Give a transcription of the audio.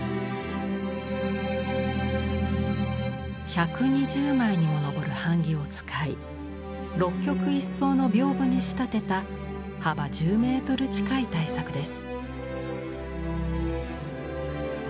１２０枚にも上る版木を使い六曲一双の屏風に仕立てた幅１０メートル近い大作です。